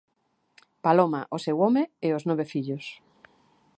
Paloma, o seu home e os nove fillos.